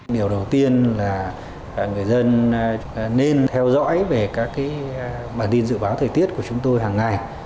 điều đầu tiên là người dân nên theo dõi về các bản tin dự báo thời tiết của chúng tôi hàng ngày